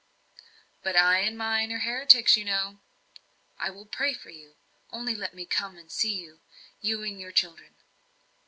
"But I and mine are heretics, you know!" "I will pray for you. Only let me come and see you you and your children."